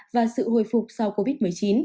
và sự hồi phục sau covid một mươi chín